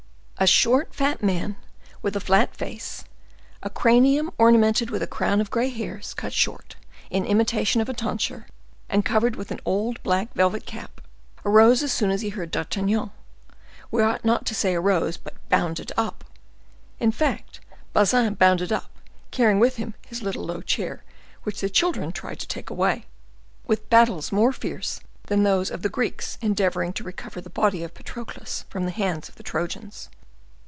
A short, fat man, with a flat face, a cranium ornamented with a crown of gray hairs, cut short, in imitation of a tonsure, and covered with an old black velvet cap, arose as soon as he heard D'Artagnan—we ought not to say arose, but bounded up. In fact, Bazin bounded up, carrying with him his little low chair, which the children tried to take away, with battles more fierce than those of the Greeks endeavoring to recover the body of Patroclus from the hands of the Trojans.